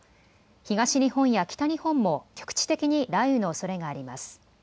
東日本や北日本も局地的に雷雨のおそれがあります。